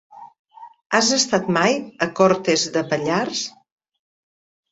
Has estat mai a Cortes de Pallars?